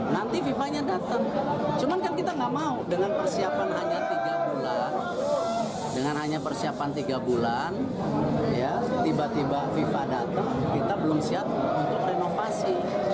nanti fifa nya datang cuman kan kita nggak mau dengan persiapan hanya tiga bulan dengan hanya persiapan tiga bulan tiba tiba fifa datang kita belum siap untuk renovasi